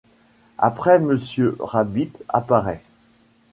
Après Mr Rabbit apparait.